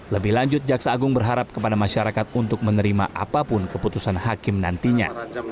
lebih lanjut jaksa agung berharap kepada masyarakat untuk menerima apapun keputusan hakim nantinya